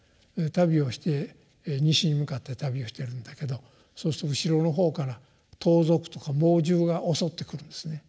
旅をして西に向かって旅をしているんだけどそうすると後ろの方から盗賊とか猛獣が襲ってくるんですね。